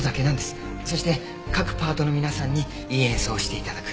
そして各パートの皆さんにいい演奏をして頂く。